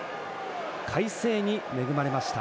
快晴に恵まれました。